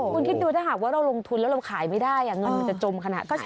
คุณคิดดูถ้าหากว่าเราลงทุนแล้วเราขายไม่ได้เงินมันจะจมขนาด๙๐